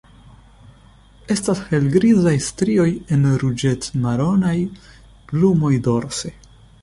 Estas helgrizaj strioj en ruĝec-maronaj plumoj dorse.